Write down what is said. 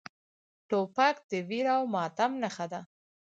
توپک د ویر او ماتم نښه ده.